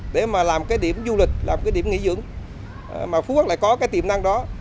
để mà làm cái điểm du lịch làm cái điểm nghỉ dưỡng mà phú quốc lại có cái tiềm năng đó